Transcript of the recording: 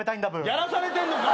やらされてんのか。